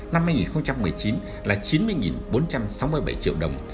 năm hai nghìn một mươi chín là chín mươi bốn trăm sáu mươi bảy triệu đồng